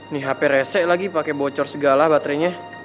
nih hp rese lagi pake bocor segala baterenya